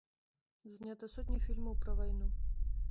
Знята сотні фільмаў пра вайну.